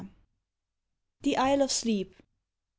THE ISLE OF SLEEP.